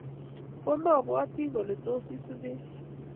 Koma bwoti kole tos isubech